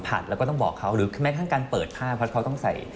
เปิดผ้าเพราะเขาต้องใส่